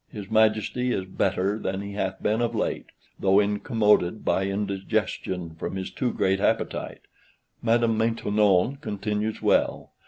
His Majesty is better than he hath been of late, though incommoded by indigestion from his too great appetite. Madame Maintenon continues well.